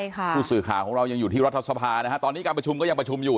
ผู้สื่อข่าวของเรายังอยู่ที่รัฐสภานะฮะตอนนี้การประชุมก็ยังประชุมอยู่